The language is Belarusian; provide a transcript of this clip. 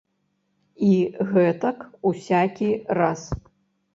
І гэтак усякі раз.